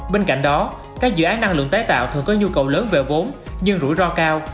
bên cạnh đó các dự án năng lượng tái tạo thường có nhu cầu lớn về vốn nhưng rủi ro cao